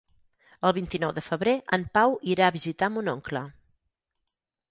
El vint-i-nou de febrer en Pau irà a visitar mon oncle.